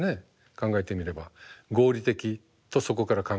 考えてみれば合理的とそこから考える。